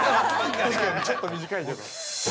◆確かに、ちょっと短いけど。